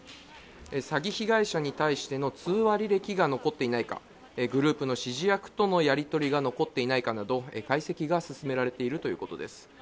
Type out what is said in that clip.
詐欺被害者に対しての通話履歴が残っていないかグループの指示役とのやり取りが残っていないかなど解析が進められているということです。